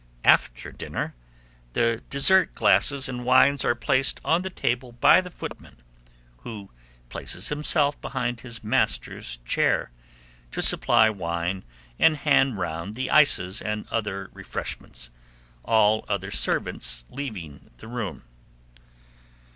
After dinner, the dessert glasses and wines are placed on the table by the footman, who places himself behind his master's chair, to supply wine and hand round the ices and other refreshments, all other servants leaving the room.